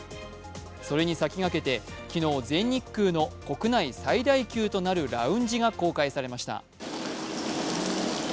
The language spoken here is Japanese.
それに先駆けて昨日、全日空の国内最大級となるラウンジが公開されました。